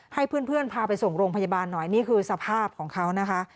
ให้เพื่อนพาไปส่งโรงพยาบาลหน่อยนี่คือสภาพของเขานะคะ